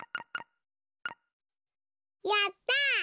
やった！